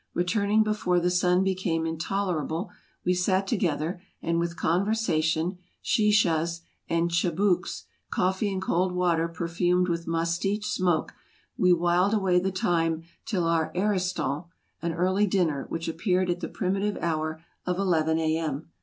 Returning before the sun became intolerable, we sat together, and with con versation, shishas and chibouques, coffee and cold water perfumed with mastich smoke, we whiled away the time till our ariston, an early dinner which appeared at the primitive hour of eleven A.M.